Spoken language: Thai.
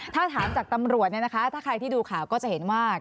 ถ้าถามจากตำรวจถ้าใครที่ดูข่าวก็จะเห็นว่า